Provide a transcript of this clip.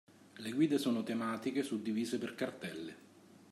Le guide sono tematiche suddivise per cartelle.